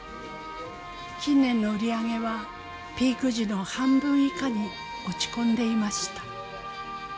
近年の売り上げはピーク時の半分以下に落ち込んでいました。